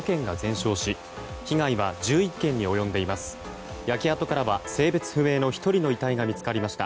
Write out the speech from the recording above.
焼け跡からは性別不明の１人の遺体が見つかりました。